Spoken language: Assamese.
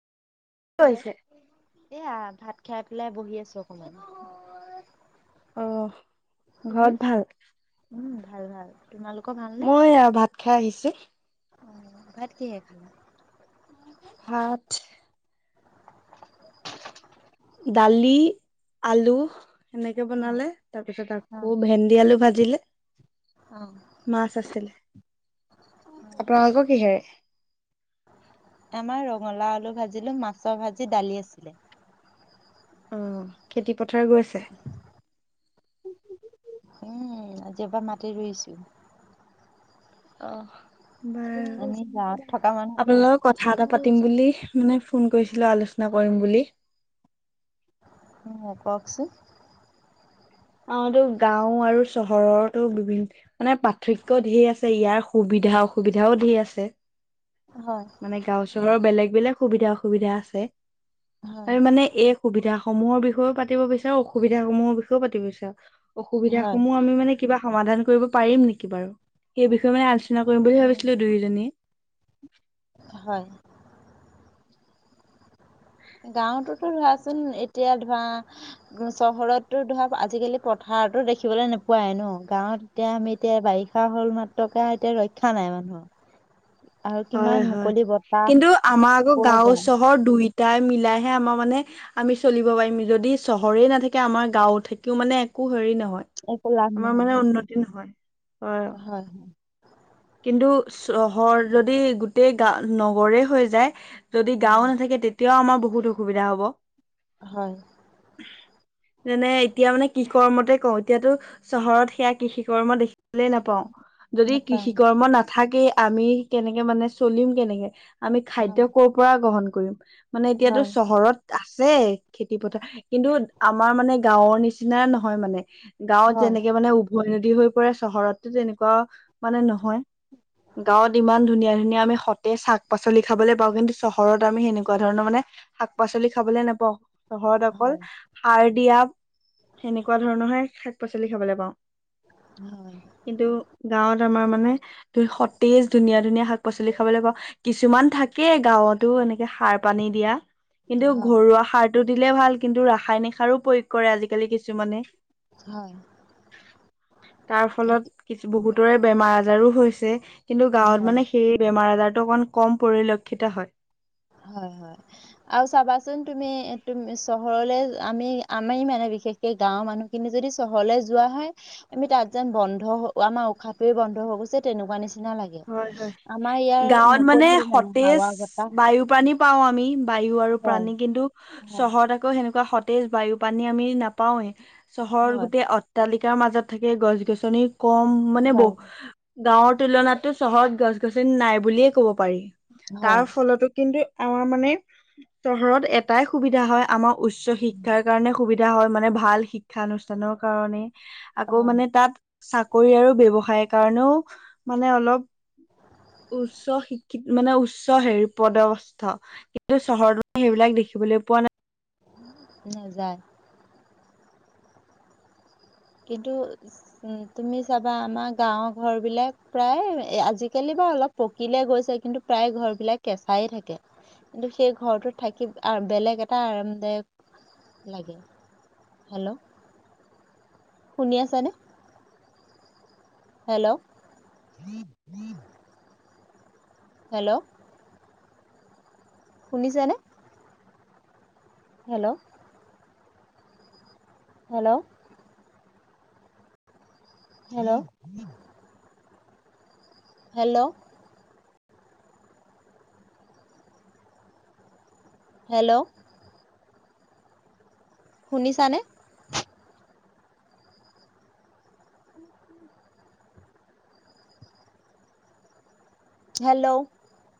হেল্ল' কৰিছে এয়া ভাত খাই পেলাই বহি আছো অকমান অ তুমি ঘৰত ভাল উম ভাল ভাল তোমালোকৰ ভাল মই এয়া ভাত খাই আহিছে অ ভাত কিহে খালা ভাত দালি, আলু সেনেকে অ বনালে তাৰপিছত অ আকৌ ভেন্দি আলু ভাজিলে অ মাছ আছিলে আপোনালোকৰ কিহেৰে আমাৰ ৰঙালাও, আলু ভাজিলোঁ মাছৰ ভাজি দালি আছিলে অ খেতি পথাৰ গৈছে উম আজিয় পা মাটি ৰুইছো অ'! বাৰু আমি গাঁৱত থকা মানুহতো আপোনাৰ লগত কথা এটা পাতিম বুলি, মানে, ফোন কৰিছিলোঁ, আলোচনা কৰিম বুলি। অ'! কওঁকচোন? অ'! এইটো, গাঁও আৰু চহৰৰতো বিভিন মানে, পাৰ্থক্যও ধেৰ আছে। ইয়াৰ সুবিধা, অসুবিধাও ধেৰ আছে। হয়! গাও চহৰৰ বেলেগ-বেলেগ সুবিধা, অসুবিধা আছে। হয় আৰু মানে, এই, সুবিধা সমূহৰ বিষয়েও পাতিব বিচাৰোঁ, অসুবিধা সমূহৰ বিষয়েও পাতিব বিচাৰোঁ। অসুবিধা হয় সমূহ, আমি মানে, কিবা সমাধান কৰিব পাৰিম নেকি বাৰু? সেই বিষয়ে মানে, আলোচনা কৰিম বুলি ভাবিছিলোঁ! দুয়োজনীয়ে। [inaudible] হয়! গাঁৱতোত ধৰাচোন, এতিয়া ধৰা, উম, চহৰতো ধৰা, আজিকালি পথাৰতো দেখিবলৈ নোপোৱাই ন'। গাঁৱত এতিয়া আমি এতিয়া, বাৰিষা হ'ল মাত্ৰকে, এতিয়া ৰক্ষা নাই মানুহৰ। আৰু হয়, কিমান হয়! মুকলি বতাহ কিন্তু, আমাৰ আকৌ, পোৱা যায় গাওঁ-চহৰ দুইটাই মিলাইহে, আমাৰ মানে, আমি চলিব পাৰিম। যদি, চহৰেই নাথাকে, আমাৰ গাঁওত থাকিও মানে, একো হেৰি নহয়। একো লাভ আমাৰ নহয় মানে উন্নতি নহয়। হয়! হয়! কিন্তু, চহৰ যদি, গোটেই গা, নগৰে হৈ যায়! যদি, গাওঁ হয় নাথাকে, তেতিয়াও আমাৰ বহুত অসুবিধা হ'ব। হয়! যেনে, এতিয়া মানে, কৃষি কৰ্মকে কওঁ, এতিয়াতো, চহৰত সেয়া, কৃষি কৰ্ম দেখিবলে নাপাওঁ। যদি নাপাওঁ কৃষি কৰ্ম নাথাকেই, আমি কেনেকে মানে, চলিম কেনেকে। আমি হয় খাদ্য কৰ' পৰা গ্ৰহণ কৰিম। মানে, এতিয়াতো হয় চহৰত আছে খেতি পথাৰ। কিন্তু আমাৰ মানে, গাঁৱৰ নিচিনা নহয় মানে। গাঁৱত হয় যেনেকে মানে, উভৈ নদী হৈ পৰে। চহৰতো তেনেকুৱা, মানে হয়, গাওঁত ইমান ধুনীয়া-ধুনীয়া! আমি সতেজ শাক-পাচলি খাবলে পাওঁ। কিন্তু, চহৰত আমি সেনেকুৱা ধৰণৰ মানে, শাক-পাচলি খাবলে নেপাওঁ। চহৰত অকল, হয় সাৰ দিয়া, সেনেকুৱা ধৰণৰহে, শাক-পাচলি খাবলে পাওঁ। হয়! কিন্তু, গাঁৱত আমাৰ মানে, [unintelligible] সতেজ ধুনীয়া-ধুনীয়া! শাক- পাচলি খাবলে পাওঁ। কিছুমান থাকে, গাঁৱতো এনেকে, সাৰ পানী দিয়া। কিন্তু, হয় ঘৰুৱা সাৰ সাৰটো দিলে ভাল! কিন্তু, ৰাসায়নিক সাৰো প্ৰয়োগ কৰে, আজিকালি কিছুমানে। হয় [inaudible] তাৰ ফলত, কি, বহুতৰে বেমাৰ- আজাৰো হৈছে। কিন্তু, গাঁৱত হয় মানে, সেই বেমাৰ-আজাৰটো অকণমান, কম পৰিলক্ষিত হয়। হয়, হয়। আৰু চাবাচোন তুমি, তুমি চহৰলে আমি, আমি মানে, বিশেষ এই, গাঁৱৰ মানুহখিনি যদি চহৰলৈ যোৱা হয়। আমি তাত যেন বন্ধ, আমাৰ উশাহটো বন্ধ হৈ গৈছে, তেনেকুৱা নিচিনা নিচিনা লাগে। হয় হয় আমাৰ ইয়াৰ, মুকলি মানে, হাৱা বতাহ। বায়ু-প্ৰাণী পাওঁ আমি, বায়ু আৰু হয় প্ৰাণী। কিন্তু, হয় চহৰত আকৌ, সেনেকুৱা সতেজ, বায়ুপানী আমি নাপাওঁৱেই। চহৰত হয় গোটেই অ অট্টালিকাৰ মাজত থাকে, গছ-গছনি কম। মানে, হয় [unintelligible] গাঁৱৰ তুলনাত, চহৰত গছ-গছনি নাই বুলিয়ে ক'ব পাৰি। তাৰ হয় ফলতো কিন্তু, অ', মানে চহৰত এটাই সুবিধা হয় আমাৰ উচ্চ শিক্ষাৰ কাৰণে সুবিধা সা হয় মানে ভাল শিক্ষানুষ্ঠানৰ কাৰণে আকৌ হয় মানে তাত চাকৰি আৰু ব্যৱসায় কাৰণেও মানে অলপ উচ্চ শিক্ষিত মানে উচ্চ হেৰি পদৱস্থা কিন্তু চহৰ দৰে সেইবিলাক দেখিবলৈ পোৱা নাই নেযাই কিন্তু উম, তুমি চাবা আমাৰ গাঁওৰ ঘৰ বিলাক প্ৰায় আজিকালি বা অলপ পকিলে গৈছে কিন্তু প্ৰায় ঘৰ বিলাক কেঁচাই থাকে কিন্তু সেই ঘৰটোত থাকি বেলেগ এটা আৰামদায়ক লাগে হেল্ল' শুনি আছেনে? হেল্ল' [inaudible] হেল্ল' শুনিছেনে? Hello hello hello hello hello শুনিছানে? হেল্ল'